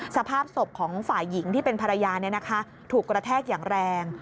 สภาพศพของฝ่ายหญิงที่เป็นภรรยาถูกกระแทกอย่างแรง